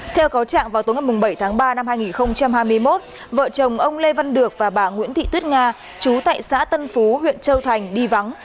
theo cáo trạng vào tối ngày bảy tháng ba năm hai nghìn hai mươi một vợ chồng ông lê văn được và bà nguyễn thị tuyết nga chú tại xã tân phú huyện châu thành đi vắng